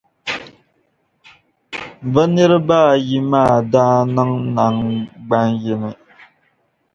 bɛ niriba ayi maa daa niŋ nangbani yini.